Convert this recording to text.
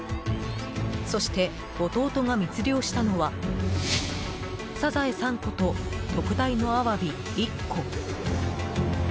そして、弟が密漁したのはサザエ３個と特大のアワビ１個。